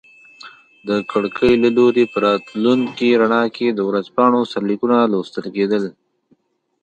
د کړکۍ له لوري په راتلونکي رڼا کې د ورځپاڼو سرلیکونه لوستل کیدل.